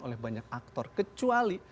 oleh banyak aktor kecuali